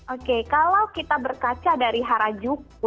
oke kalau kita berkaca dari harajuku